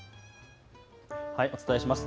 お伝えします。